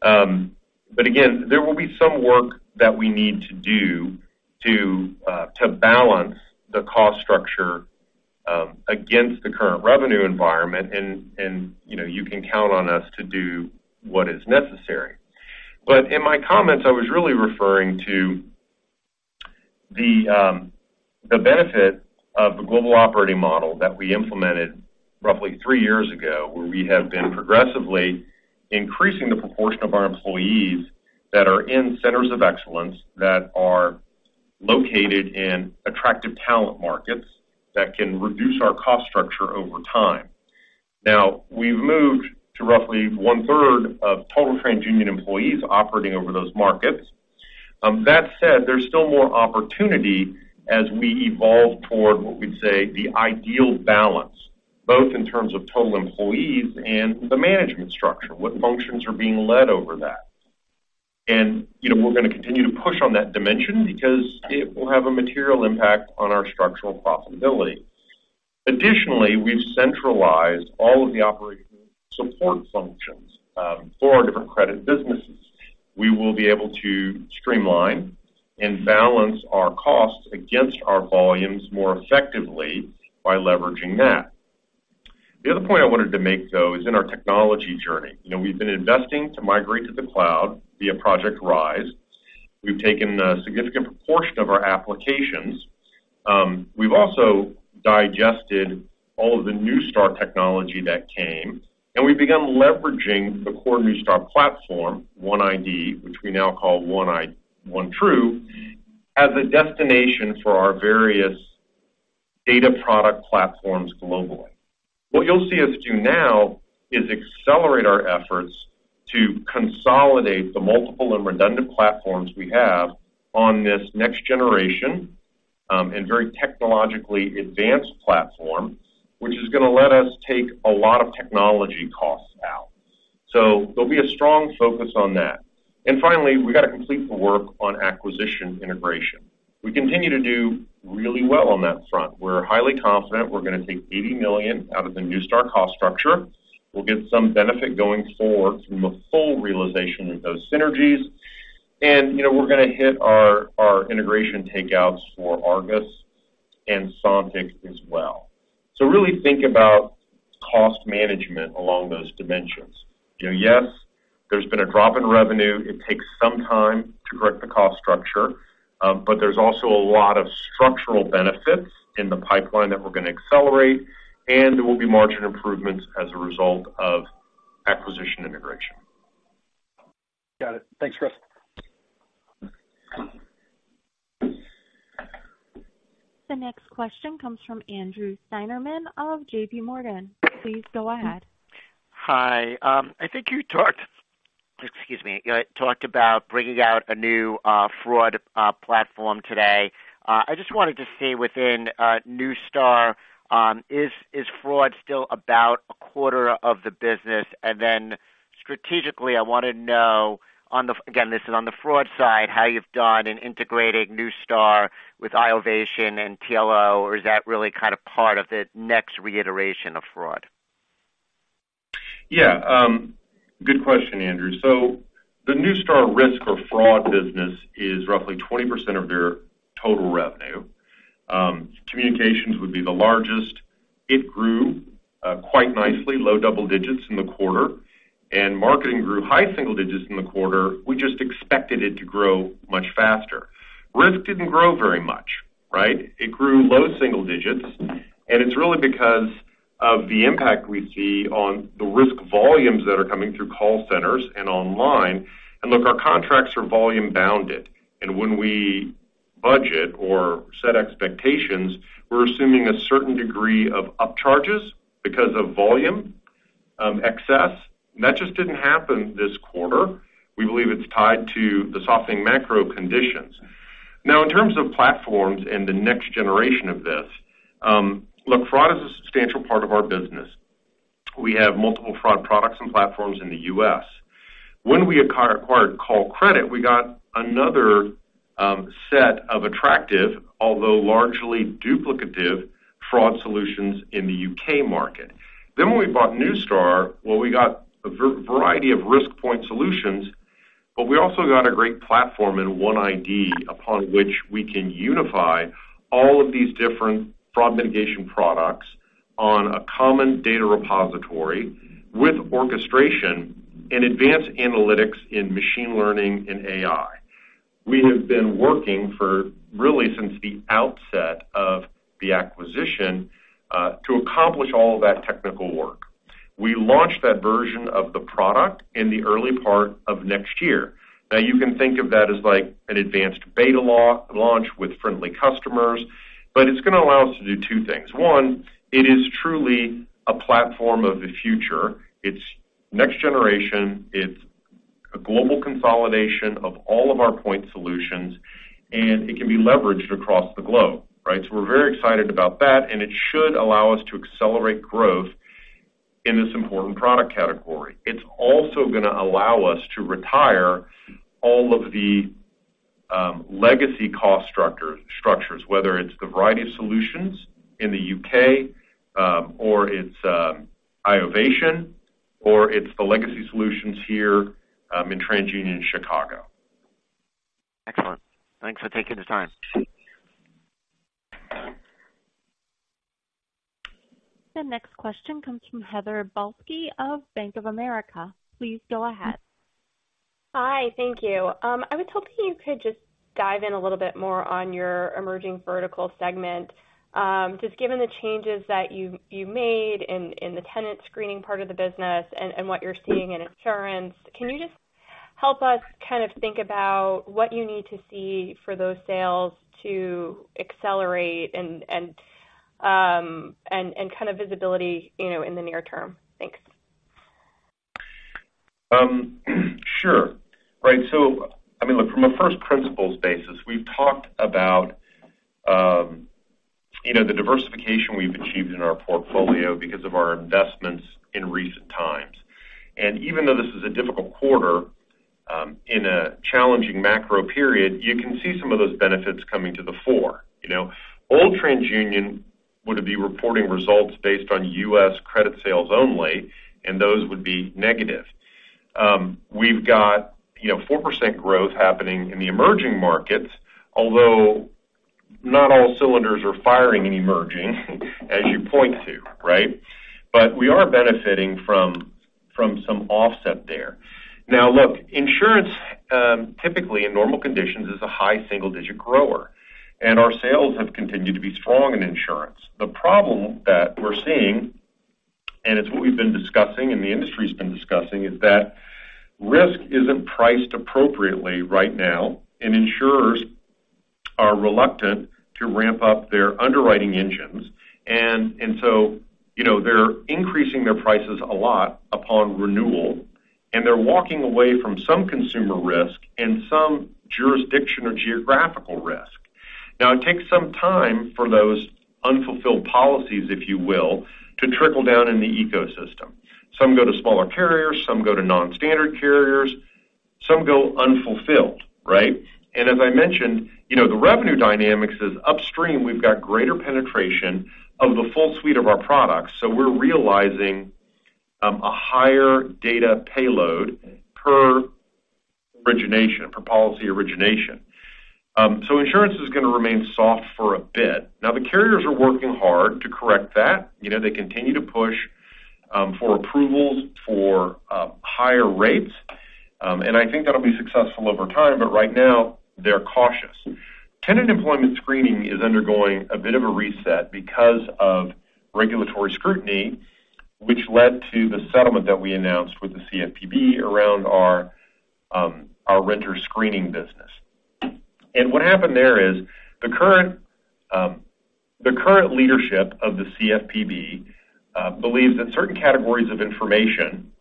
S3: But again, there will be some work that we need to do to balance the cost structure against the current revenue environment, and you know, you can count on us to do what is necessary. But in my comments, I was really referring to the benefit of the global operating model that we implemented roughly three years ago, where we have been progressively increasing the proportion of our employees that are in centers of excellence that are located in attractive talent markets that can reduce our cost structure over time. Now, we've moved to roughly one third of total TransUnion employees operating over those markets. That said, there's still more opportunity as we evolve toward what we'd say, the ideal balance, both in terms of total employees and the management structure, what functions are being led over that. And, you know, we're gonna continue to push on that dimension because it will have a material impact on our structural profitability. Additionally, we've centralized all of the operating support functions, for our different credit businesses. We will be able to streamline and balance our costs against our volumes more effectively by leveraging that. The other point I wanted to make, though, is in our technology journey. You know, we've been investing to migrate to the cloud via Project Rise. We've taken a significant proportion of our applications. We've also digested all of the Neustar technology that came, and we've begun leveraging the core Neustar platform, OneTru, as a destination for our various data product platforms globally. What you'll see us do now is accelerate our efforts to consolidate the multiple and redundant platforms we have on this next generation and very technologically advanced platform, which is gonna let us take a lot of technology costs out. So there'll be a strong focus on that. And finally, we got to complete the work on acquisition integration. We continue to do really well on that front. We're highly confident we're gonna take $80 million out of the Neustar cost structure. We'll get some benefit going forward from the full realization of those synergies. You know, we're gonna hit our integration takeouts for Argus and Sontiq as well. So really think about cost management along those dimensions. You know, yes, there's been a drop in revenue. It takes some time to correct the cost structure, but there's also a lot of structural benefits in the pipeline that we're gonna accelerate, and there will be margin improvements as a result of acquisition integration. Got it. Thanks, Chris.
S1: The next question comes from Andrew Steinerman of J.P. Morgan. Please go ahead.
S8: Hi. I think you talked, excuse me, you talked about bringing out a new fraud platform today. I just wanted to see within Neustar, is fraud still about a quarter of the business? And then strategically, I want to know on the—again, this is on the fraud side, how you've done in integrating Neustar with iovation and TLO, or is that really kind of part of the next reiteration of fraud?
S3: Yeah, good question, Andrew. So the Neustar risk or fraud business is roughly 20% of their total revenue. Communications would be the largest. It grew quite nicely, low double digits in the quarter, and marketing grew high single digits in the quarter. We just expected it to grow much faster. Risk didn't grow very much, right? It grew low single digits, and it's really because of the impact we see on the risk volumes that are coming through call centers and online. And look, our contracts are volume-bounded, and when we budget or set expectations, we're assuming a certain degree of upcharges because of volume excess. That just didn't happen this quarter. We believe it's tied to the softening macro conditions. Now, in terms of platforms and the next generation of this, look, fraud is a substantial part of our business. We have multiple fraud products and platforms in the U.S. When we acquired Callcredit, we got another set of attractive, although largely duplicative, fraud solutions in the U.K. market. Then when we bought Neustar, well, we got a variety of risk point solutions, but we also got a great platform and OneID upon which we can unify all of these different fraud mitigation products on a common data repository with orchestration and advanced analytics in machine learning and AI. We have been working for, really, since the outset of the acquisition, to accomplish all of that technical work. We launched that version of the product in the early part of next year. Now, you can think of that as like an advanced beta launch with friendly customers, but it's going to allow us to do two things. One, it is truly a platform of the future. It's next generation, it's a global consolidation of all of our point solutions, and it can be leveraged across the globe, right? So we're very excited about that, and it should allow us to accelerate growth in this important product category. It's also going to allow us to retire all of the, legacy cost structures, whether it's the variety of solutions in the U.K., or it's, iovation, or it's the legacy solutions here, in TransUnion, Chicago.
S8: Excellent. Thanks for taking the time.
S1: The next question comes from Heather Balsky of Bank of America. Please go ahead.
S9: Hi, thank you. I was hoping you could just dive in a little bit more on your emerging vertical segment. Just given the changes that you made in the tenant screening part of the business and what you're seeing in insurance, can you just help us think about what you need to see for those sales to accelerate and visibility, you know, in the near term? Thanks.
S3: Sure. Right. So, I mean, look, from a first principles basis, we've talked about, you know, the diversification we've achieved in our portfolio because of our investments in recent times. And even though this is a difficult quarter, in a challenging macro period, you can see some of those benefits coming to the fore. You know, old TransUnion would be reporting results based on U.S. credit sales only, and those would be negative. We've got, you know, 4% growth happening in the emerging markets, although not all cylinders are firing and emerging, as you point to, right? But we are benefiting from, from some offset there. Now, look, insurance, typically in normal conditions, is a high single-digit grower, and our sales have continued to be strong in insurance. The problem that we're seeing, and it's what we've been discussing and the industry's been discussing, is that risk isn't priced appropriately right now, and insurers are reluctant to ramp up their underwriting engines. And, and so, you know, they're increasing their prices a lot upon renewal, and they're walking away from some consumer risk and some jurisdiction or geographical risk. Now, it takes some time for those unfulfilled policies, if you will, to trickle down in the ecosystem. Some go to smaller carriers, some go to non-standard carriers, some go unfulfilled, right? And as I mentioned, you know, the revenue dynamics is upstream. We've got greater penetration of the full suite of our products, so we're realizing, a higher data payload per origination, per policy origination. So insurance is going to remain soft for a bit. Now, the carriers are working hard to correct that. You know, they continue to push for approvals for higher rates, and I think that'll be successful over time, but right now, they're cautious. Tenant employment screening is undergoing a bit of a reset because of regulatory scrutiny, which led to the settlement that we announced with the CFPB around our renter screening business. What happened there is the current leadership of the CFPB believes that certain categories of information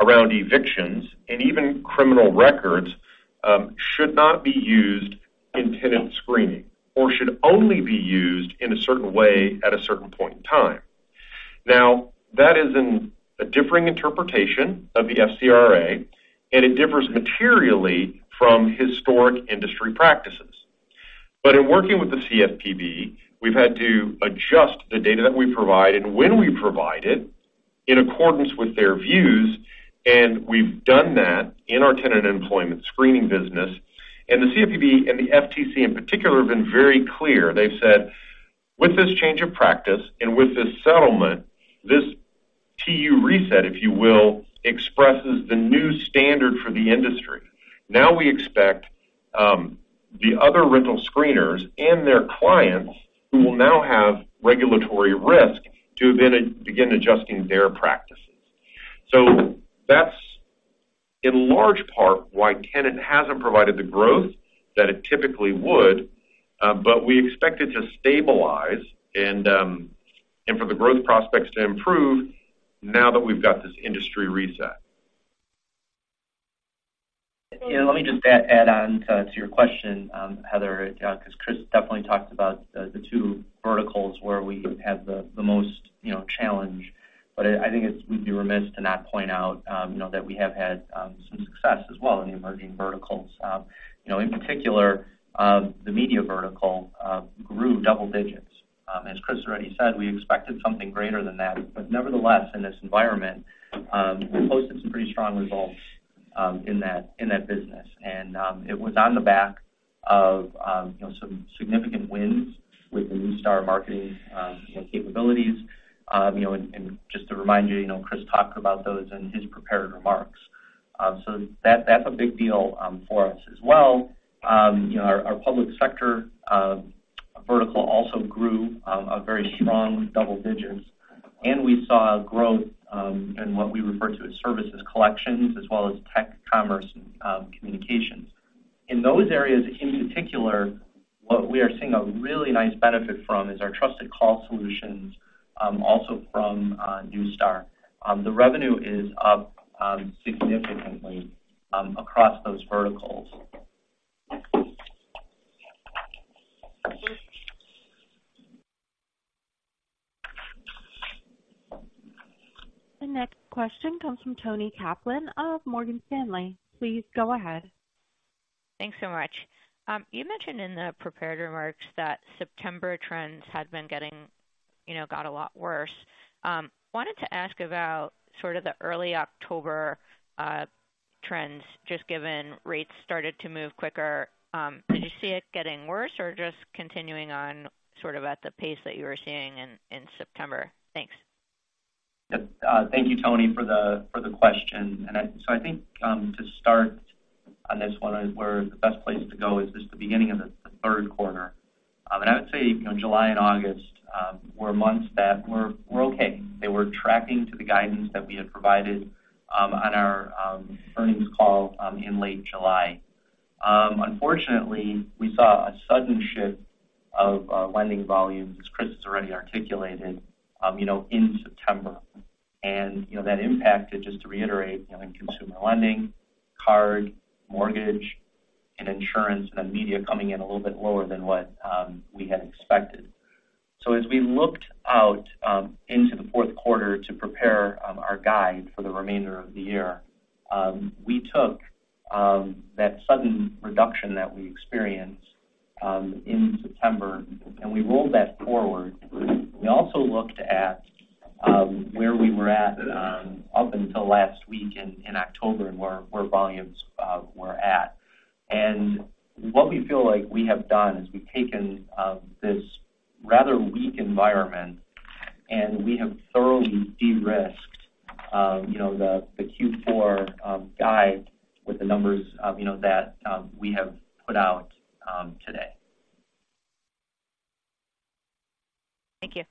S3: around evictions and even criminal records should not be used in tenant screening, or should only be used in a certain way at a certain point in time. Now, that is in a differing interpretation of the FCRA, and it differs materially from historic industry practices. In working with the CFPB, we've had to adjust the data that we provide and when we provide it, in accordance with their views, and we've done that in our tenant employment screening business. The CFPB and the FTC in particular have been very clear. They've said, "With this change of practice and with this settlement, this TU reset, if you will, expresses the new standard for the industry. Now we expect the other rental screeners and their clients, who will now have regulatory risk, to then begin adjusting their practices." That's in large part why tenant hasn't provided the growth that it typically would, but we expect it to stabilize and for the growth prospects to improve now that we've got this industry reset.
S4: Yeah, let me just add on to your question, Heather, because Chris definitely talked about the two verticals where we have the most, you know, challenge. But I think it's. We'd be remiss to not point out, you know, that we have had some success as well in the emerging verticals. You know, in particular, the media vertical grew double digits. As Chris already said, we expected something greater than that. But nevertheless, in this environment, we posted some pretty strong results in that business. And it was on the back of, you know, some significant wins with the Neustar marketing, you know, capabilities. You know, and just to remind you, you know, Chris talked about those in his prepared remarks. So that, that's a big deal, for us as well. You know, our, our public sector, vertical also grew, a very strong double digits, and we saw growth, in what we refer to as services collections, as well as tech, commerce, communications. In those areas, in particular, what we are seeing a really nice benefit from is our Trusted Call Solutions, also from, Neustar. The revenue is up, significantly, across those verticals.
S1: The next question comes from Toni Kaplan of Morgan Stanley. Please go ahead.
S10: Thanks so much. You mentioned in the prepared remarks that September trends had been getting, you know, got a lot worse. Wanted to ask about sort of the early October trends, just given rates started to move quicker. Did you see it getting worse or just continuing on sort of at the pace that you were seeing in September? Thanks.
S4: Yep. Thank you, Toni, for the question. So I think to start on this one, the best place to go is just the beginning of the third quarter. And I would say, you know, July and August were months that were okay. They were tracking to the guidance that we had provided on our earnings call in late July. Unfortunately, we saw a sudden shift of lending volumes, as Chris has already articulated, you know, in September. And, you know, that impacted, just to reiterate, you know, in consumer lending, card, mortgage, and insurance, and media coming in a little bit lower than what we had expected. So as we looked out into the fourth quarter to prepare our guide for the remainder of the year, we took that sudden reduction that we experienced in September, and we rolled that forward. We also looked at where we were at up until last week in October and where volumes were at. And what we feel like we have done is we've taken this rather weak environment, and we have thoroughly de-risked you know the Q4 guide with the numbers you know that we have put out today.
S10: Thank you.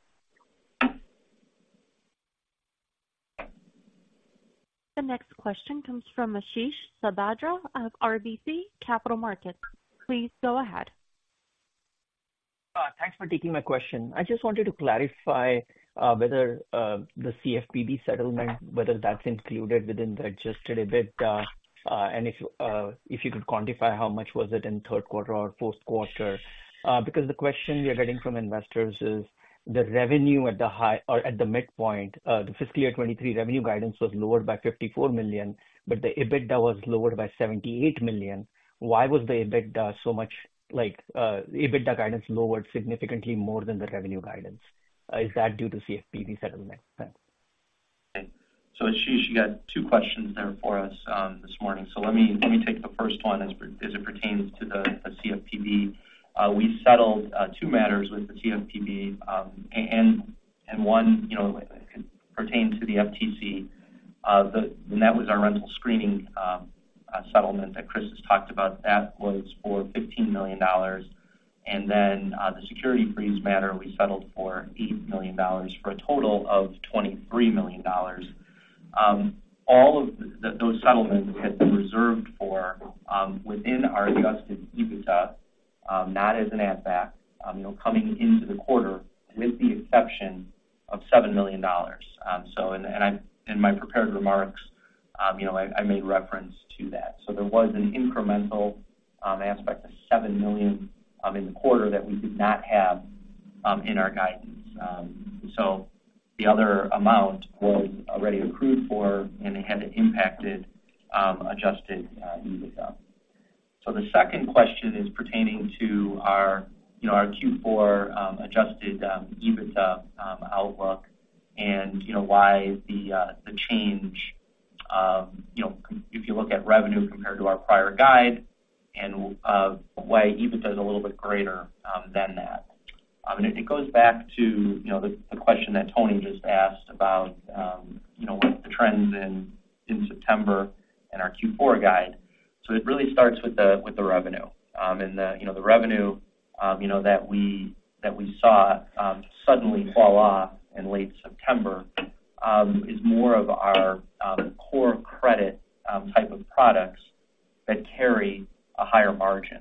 S1: The next question comes from Ashish Sabadra of RBC Capital Markets. Please go ahead.
S11: Thanks for taking my question. I just wanted to clarify whether the CFPB settlement, whether that's included within the Adjusted EBITDA, and if you could quantify how much was it in third quarter or fourth quarter? Because the question we are getting from investors is, the revenue at the high or at the midpoint, the fiscal year 2023 revenue guidance was lowered by $54 million, but the EBITDA was lowered by $78 million. Why was the EBITDA so much like, EBITDA guidance lowered significantly more than the revenue guidance? Is that due to CFPB settlement? Thanks.
S4: So Ashish, you got two questions there for us this morning. So let me take the first one as it pertains to the CFPB. We settled two matters with the CFPB, and one you know pertained to the FTC, and that was our rental screening, a settlement that Chris has talked about, that was for $15 million. And then, the security freeze matter, we settled for $8 million, for a total of $23 million. All of those settlements had been reserved for within our adjusted EBITDA, not as an add back, you know, coming into the quarter, with the exception of $7 million. So, and I in my prepared remarks, you know, I made reference to that. So there was an incremental aspect of $7 million in the quarter that we did not have in our guidance. So the other amount was already accrued for, and it had impacted Adjusted EBITDA. So the second question is pertaining to our, you know, our Q4 Adjusted EBITDA outlook, and, you know, why the change, you know, if you look at revenue compared to our prior guide, and why EBITDA is a little bit greater than that. I mean, it goes back to, you know, the question that Toni just asked about, you know, what the trends in September and our Q4 guide. So it really starts with the revenue. And the, you know, the revenue, you know, that we, that we saw, suddenly fall off in late September, is more of our, core credit, type of products that carry a higher margin.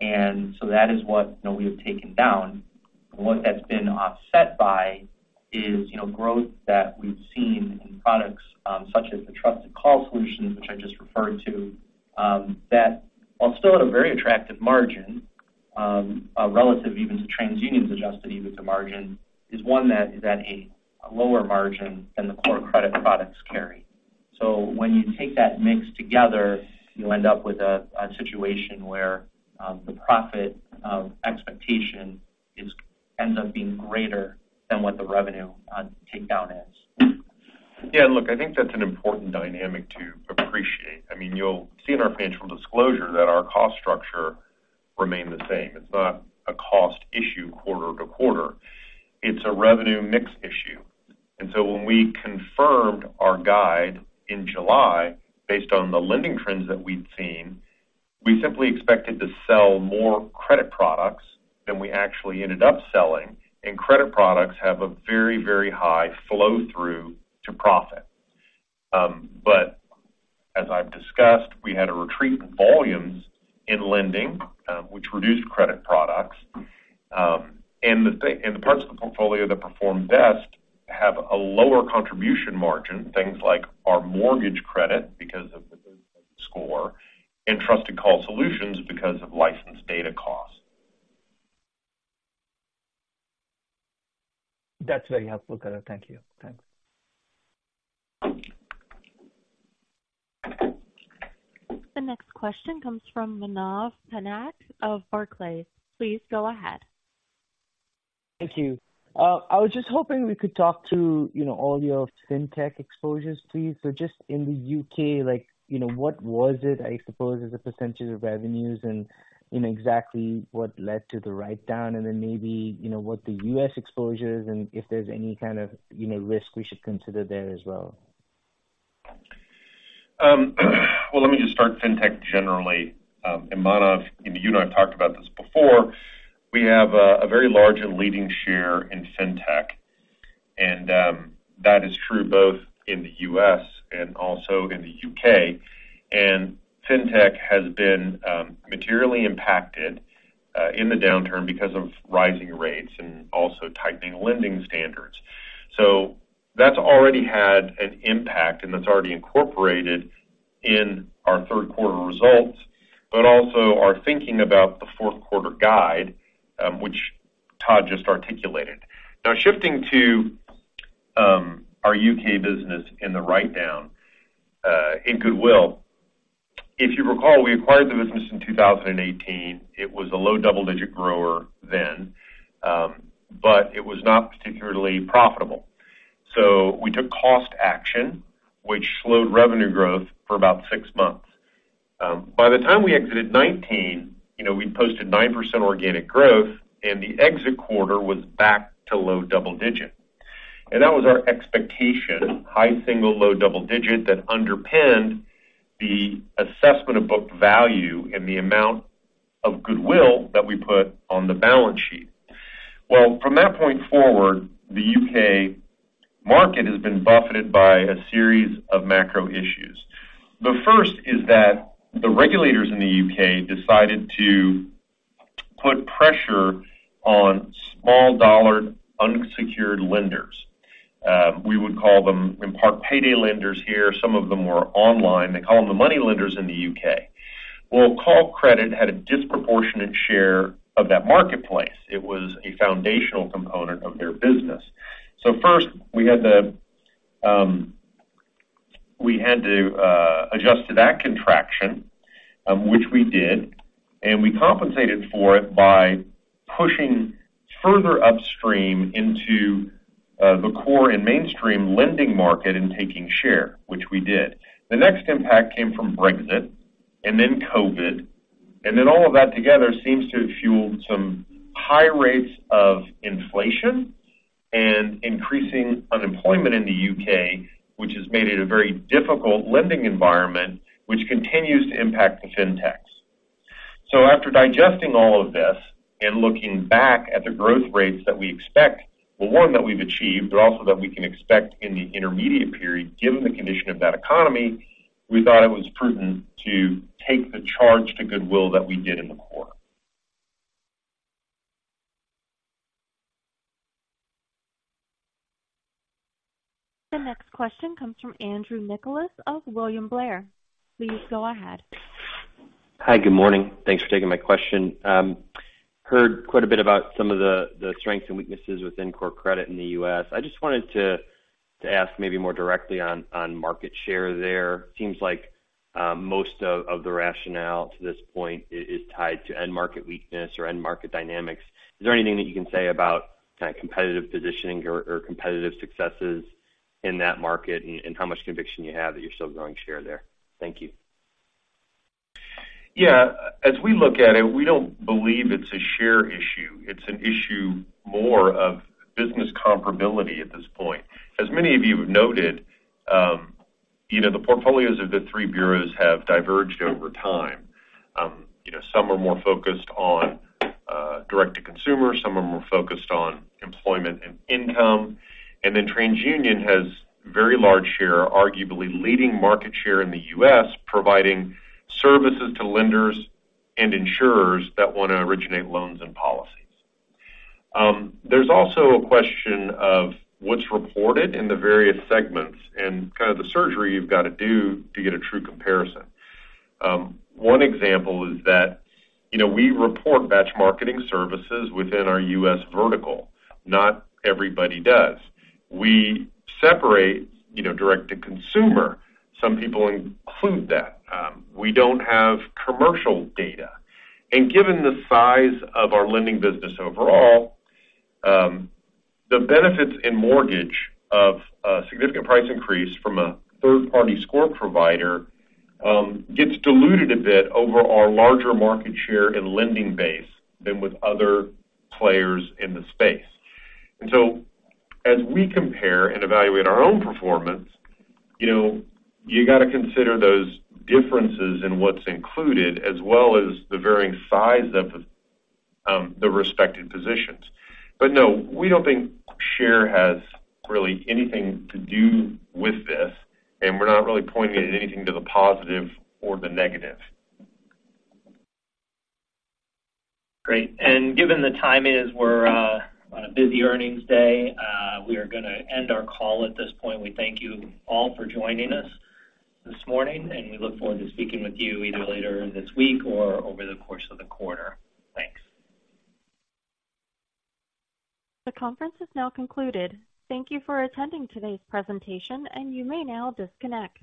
S4: And so that is what, you know, we have taken down. What that's been offset by is, you know, growth that we've seen in products, such as the Trusted Call Solutions, which I just referred to, that while still at a very attractive margin, relative even to TransUnion's Adjusted EBITDA margin, is one that is at a, a lower margin than the core credit products carry. So when you take that mix together, you end up with a, a situation where, the profit of expectation is ends up being greater than what the revenue on takedown is.
S3: Yeah, look, I think that's an important dynamic to appreciate. I mean, you'll see in our financial disclosure that our cost structure remained the same. It's not a cost issue quarter to quarter. It's a revenue mix issue. And so when we confirmed our guide in July based on the lending trends that we'd seen, we simply expected to sell more credit products than we actually ended up selling, and credit products have a very, very high flow-through to profit. But as I've discussed, we had a retreat in volumes in lending, which reduced credit products. And the parts of the portfolio that performed best have a lower contribution margin things like our mortgage credit, because of the score, and Trusted Call Solutions, because of licensed data costs.
S11: That's very helpful color. Thank you. Thanks.
S1: The next question comes from Manav Patnaik of Barclays. Please go ahead.
S12: Thank you. I was just hoping we could talk to, you know, all your fintech exposures, please. So just in the U.K., like, you know, what was it, I suppose, as a percentage of revenues and, you know, exactly what led to the write-down, and then maybe, you know, what the U.S. exposures and if there's any kind of, you know, risk we should consider there as well?
S3: Well, let me just start Fintech generally. And Manav, and you and I have talked about this before. We have a very large and leading share in Fintech, and that is true both in the U.S. and also in the U.K. And Fintech has been materially impacted in the downturn because of rising rates and also tightening lending standards. So that's already had an impact, and that's already incorporated in our third quarter results, but also our thinking about the fourth quarter guide, which Todd just articulated. Now, shifting to our U.K. business in the writedown in goodwill. If you recall, we acquired the business in 2018. It was a low double-digit grower then, but it was not particularly profitable. So we took cost action, which slowed revenue growth for about six months. By the time we exited 2019, you know, we posted 9% organic growth, and the exit quarter was back to low double-digit. And that was our expectation, high single-digit, low double-digit, that underpinned the assessment of book value and the amount of goodwill that we put on the balance sheet. Well, from that point forward, the U.K. market has been buffeted by a series of macro issues. The first is that the regulators in the U.K. decided to put pressure on small-dollar unsecured lenders. We would call them, in part, payday lenders here. Some of them were online. They call them the money lenders in the U.K. Well, Callcredit had a disproportionate share of that marketplace. It was a foundational component of their business. So first, we had to, we had to adjust to that contraction, which we did, and we compensated for it by pushing further upstream into the core and mainstream lending market and taking share, which we did. The next impact came from Brexit and then COVID, and then all of that together seems to have fueled some high rates of inflation and increasing unemployment in the U.K., which has made it a very difficult lending environment, which continues to impact the fintechs. So after digesting all of this and looking back at the growth rates that we expect, well, one, that we've achieved, but also that we can expect in the intermediate period, given the condition of that economy, we thought it was prudent to take the charge to goodwill that we did in the quarter.
S1: The next question comes from Andrew Nicholas of William Blair. Please go ahead.
S13: Hi, good morning. Thanks for taking my question. Heard quite a bit about some of the, the strengths and weaknesses within core credit in the U.S. I just wanted to, to ask maybe more directly on, on market share there. Seems like, most of, of the rationale to this point is, is tied to end market weakness or end market dynamics. Is there anything that you can say about kind of competitive positioning or, or competitive successes in that market, and how much conviction you have that you're still growing share there? Thank you.
S3: Yeah. As we look at it, we don't believe it's a share issue. It's an issue more of business comparability at this point. As many of you have noted, you know, the portfolios of the three bureaus have diverged over time. You know, some are more focused on direct-to-consumer, some are more focused on employment and income. And then TransUnion has very large share, arguably leading market share in the U.S., providing services to lenders and insurers that wanna originate loans and policies. There's also a question of what's reported in the various segments and kind of the surgery you've gotta do to get a true comparison. One example is that, you know, we report batch marketing services within our U.S. vertical. Not everybody does. We separate, you know, direct-to-consumer. Some people include that. We don't have commercial data. Given the size of our lending business overall, the benefits in mortgage of a significant price increase from a third-party score provider gets diluted a bit over our larger market share and lending base than with other players in the space. So as we compare and evaluate our own performance, you know, you got to consider those differences in what's included, as well as the varying size of the respective positions. But no, we don't think share has really anything to do with this, and we're not really pointing at anything to the positive or the negative.
S2: Great. Given the time is, we're on a busy earnings day, we are gonna end our call at this point. We thank you all for joining us this morning, and we look forward to speaking with you either later this week or over the course of the quarter. Thanks.
S1: The conference is now concluded. Thank you for attending today's presentation, and you may now disconnect.